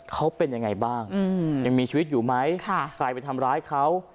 เขาเป็นยังไงบ้างยังมีชีวิตอยู่ไหมใครไปทำร้ายเขา